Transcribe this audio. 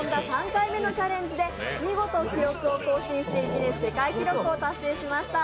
３回目のチャレンジで見事記録を更新し、ギネス世界記録を達成しました。